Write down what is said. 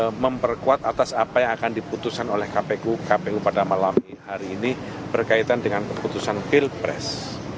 untuk memperkuat atas apa yang akan diputuskan oleh kpu kpu pada malam hari ini berkaitan dengan keputusan pilpres